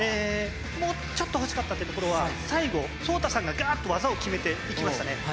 もうちょっと欲しかったってところは、最後、創太さんががーっと技を決めていきましたね。